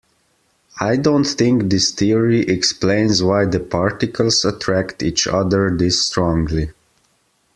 I don't think this theory explains why the particles attract each other this strongly.